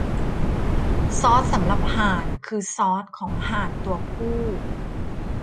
ซอสสำหรับห่านคือซอสของห่านตัวผู้